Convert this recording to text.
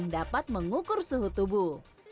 dapat mengukur suhu tubuh